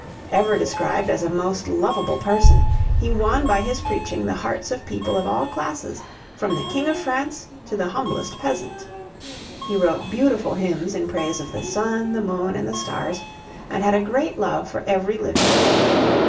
Ever described as a most lovable person, he won by his preaching the hearts of people of all classes, from the King of France to the humblest peasant. He wrote beautiful hymns in praise of the sun, the moon, and the stars, and had a great love for every living thing.